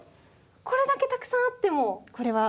これだけたくさんあっても？